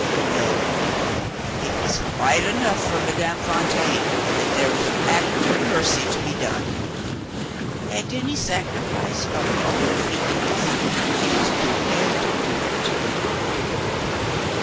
No! It was quite enough for Madame Fontaine that there was an act of mercy to be done. At any sacrifice of her own feelings, she was prepared to do it."